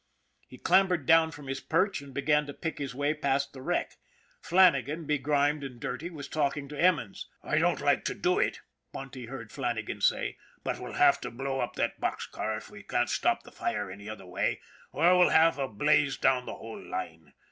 He clambered down from his perch and began to pick his way past the wreck. Flannagan, begrimed and dirty, was talking to Emmons. " I don't like to do it," Bunty heard Flannagan say, " but we'll have to blow up that box car if we can't stop the fire any other way, or we'll have a blaze down the whole line.